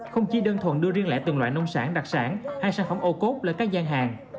không chỉ đơn thuần đưa riêng lẻ từng loại nông sản đặc sản hay sản phẩm ô cốt lên các gian hàng